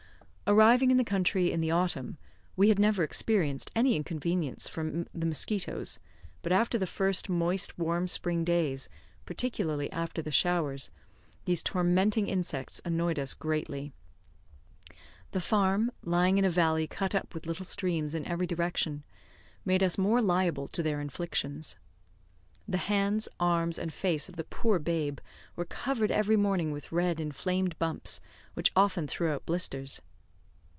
Arriving in the country in the autumn, we had never experienced any inconvenience from the mosquitoes, but after the first moist, warm spring days, particularly after the showers, these tormenting insects annoyed us greatly. The farm, lying in a valley cut up with little streams in every direction, made us more liable to their inflictions. The hands, arms, and face of the poor babe were covered every morning with red inflamed bumps, which often threw out blisters.